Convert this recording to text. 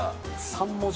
３文字？